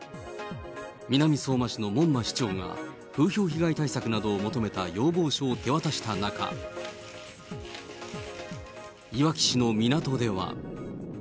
南相馬市のもんま市長が風評被害対策などを求めた要望書を手渡した中、いわき市の港では。